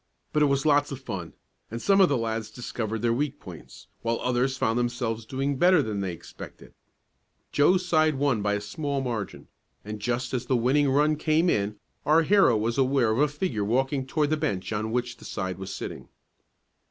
But it was lots of fun, and some of the lads discovered their weak points, while others found themselves doing better than they expected. Joe's side won by a small margin, and just as the winning run came in our hero was aware of a figure walking toward the bench on which the side was sitting.